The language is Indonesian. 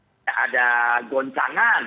tidak ada goncangan